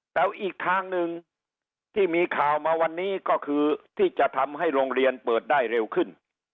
แต่อีกทางหนึ่งที่มีข่าวมาวันนี้ก็คือที่จะทำให้โรงเรียนเปิดได้เร็วขึ้น